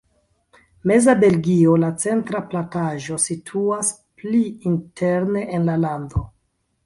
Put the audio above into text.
Meza Belgio, la centra plataĵo, situas pli interne en la lando.